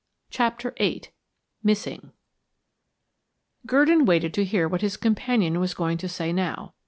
CHAPTER VIII MISSING Gurdon waited to hear what his companion was going to say now.